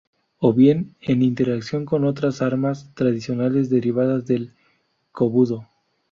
O bien en interacción con otras armas tradicionales derivadas del Kobudo.